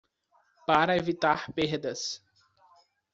Para evitar perdas